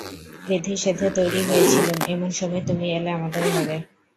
বেঁধে-সেধে তৈরি হয়ে ছিলুম, এমন সময় তুমি এলে আমাদের ঘরে।